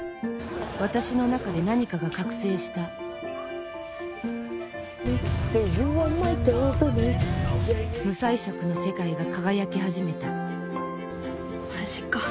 私の中で何かが覚醒した無彩色の世界が輝き始めたマジか。